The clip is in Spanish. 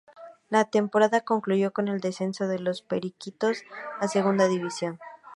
La temporada concluyó con el descenso de los "periquitos" a Segunda División.